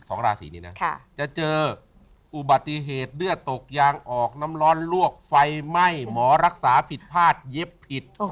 สองราศีนี้นะจะเจออุบัติเหตุเลือดตกยางออกน้ำร้อนลวกไฟไหม้หมอรักษาผิดพลาดเย็บผิด